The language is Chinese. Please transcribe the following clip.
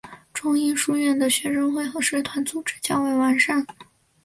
仲英书院的学生会和社团组织较为完善。